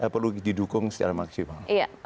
perlu didukung secara maksimal